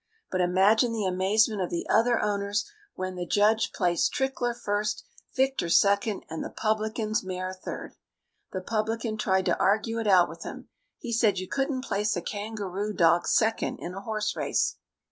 But imagine the amazement of the other owners when the judge placed Trickler first, Victor second, and the publican's mare third! The publican tried to argue it out with him. He said you couldn't place a kangaroo dog second in a horse race.